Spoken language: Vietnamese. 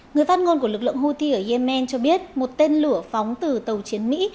người phát ngôn của lực lượng houthi ở yemen cho biết một tên lửa phóng từ tàu chiến mỹ